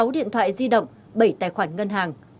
sáu điện thoại di động bảy tài khoản ngân hàng